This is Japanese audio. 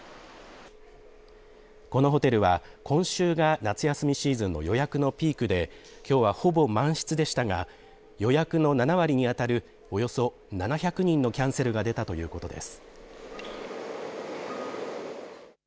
このホテルは今週が夏休みシーズンの予約のピークできょうはほぼ満室でしたが予約の７割にあたるおよそ７００人のキャンセルが出たということです。